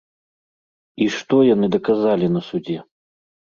І што яны даказалі на судзе?